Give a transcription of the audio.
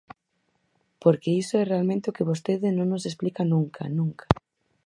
Porque iso é realmente o que vostede non nos explica nunca, nunca.